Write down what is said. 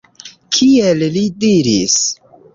Kiel li diris